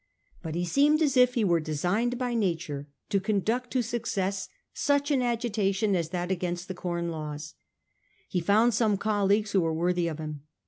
But he seemed as if he were designed by nature to conduct to success such an agitation as that against the Com Laws. He found some colleagues who were worthy of him.